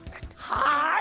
はい！